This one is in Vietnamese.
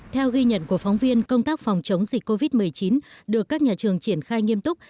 theo ghi nhận của phóng viên công tác phòng chống dịch covid một mươi chín được các nhà trường triển khai nghiêm túc